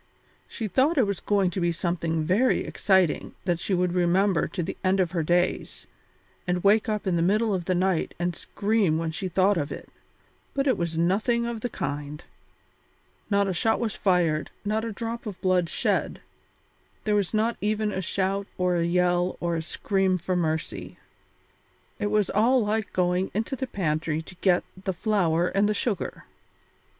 She thought it was going to be something very exciting that she would remember to the end of her days, and wake up in the middle of the night and scream when she thought of it, but it was nothing of the kind; not a shot was fired, not a drop of blood shed; there was not even a shout or a yell or a scream for mercy. It was all like going into the pantry to get the flour and the sugar.